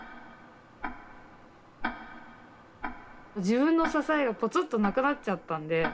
自分の支えがぽつっとなくなっちゃったんで。